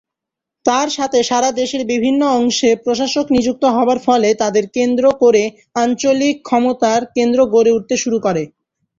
তার সাথে সারা দেশের বিভিন্ন অংশে প্রশাসক নিযুক্ত হবার ফলে তাদের কেন্দ্র করে আঞ্চলিক ক্ষমতার কেন্দ্র গড়ে উঠতে শুরু করে।